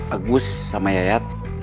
agus sama yayat